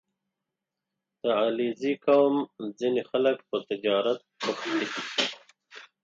• د علیزي قوم ځینې خلک په تجارت بوخت دي.